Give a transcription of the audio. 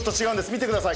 見てください